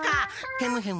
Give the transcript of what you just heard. ヘムヘム！